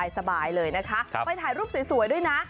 สบายเลยนะคะไปถ่ายรูปสวยด้วยนะ